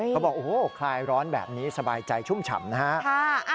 เขาบอกโอ้โหคลายร้อนแบบนี้สบายใจชุ่มฉ่ำนะฮะ